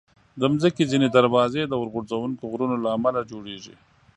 د مځکې ځینې دروازې د اورغورځونکو غرونو له امله جوړېږي.